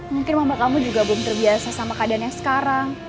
mungkin mama kamu juga belum terbiasa sama keadaannya sekarang